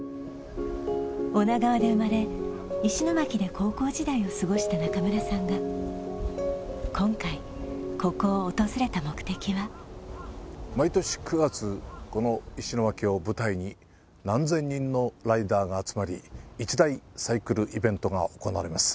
女川で生まれ石巻で高校時代を過ごした中村さんが今回ここを訪れた目的は毎年９月この石巻を舞台に何千人のライダーが集まり一大サイクルイベントが行われます